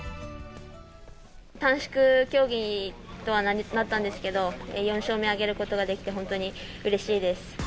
短縮競技になったんですけど、４勝目挙げることができて、本当にうれしいです。